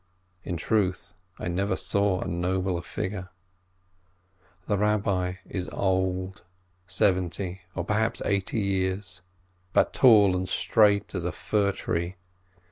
In truth I never saw a nobler figure. The Rabbi is old, seventy or perhaps eighty years, but tall and straight as a fir tree.